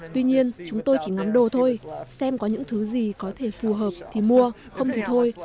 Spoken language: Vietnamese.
tuy nhiên chúng tôi chỉ ngắm đồ thôi xem có những thứ gì có thể phù hợp thì mua không thể thôi